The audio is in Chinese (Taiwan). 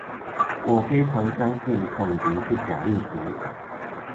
我非常相信統獨是假議題